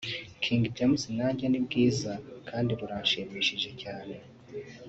king James na Njye ni bwiza kandi burashimishije cyane